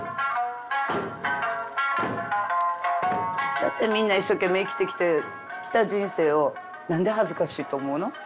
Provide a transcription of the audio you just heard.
何でみんな一生懸命生きてきた人生を何で恥ずかしいと思うの？